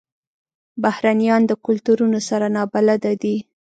بهرنیان د کلتورونو سره نابلده دي.